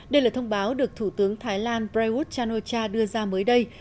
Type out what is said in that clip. đây là thông báo được thủ tướng thái lan prayuth chan o cha đưa ra mới đây